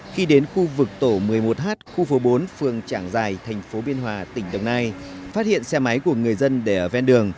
phố bốn phương trảng giải thành phố biên hòa tỉnh đồng nai phát hiện xe máy của người dân để ở ven đường